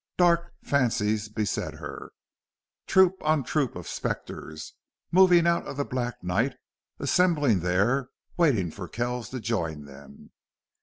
Dark fancies beset her. Troop on troop of specters moved out of the black night, assembling there, waiting for Kells to join them.